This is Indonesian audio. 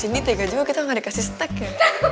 cindy tega juga kita ga dikasih stack ya